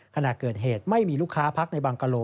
ขณะเกิดเหตุไม่มีลูกค้าพักในบางกะโล